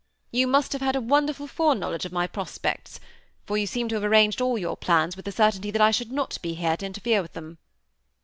*<You must have had a wonderful foreknowledge of my pros pects, for you seem to have arranged all your plans with tbe certainty that I should not be here to interfere with them."